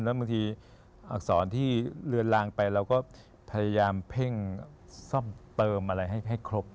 แล้วบางทีอักษรที่เลือนลางไปเราก็พยายามเพ่งซ่อมเติมอะไรให้ครบ